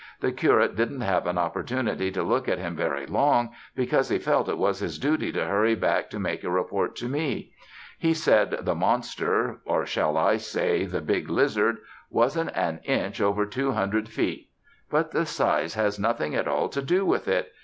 The curate didn't have an opportunity to look at him very long because he felt it was his duty to hurry back to make a report to me. He said the monster, or shall I say, the big lizard? wasn't an inch over two hundred feet. But the size has nothing at all to do with it.